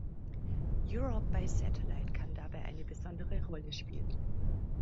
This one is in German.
Europe by satellite kann dabei eine besondere Rolle spielen.